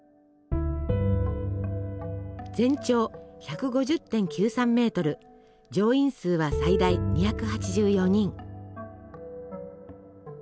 全長１５０．９３ｍ乗員数は最大２８４人。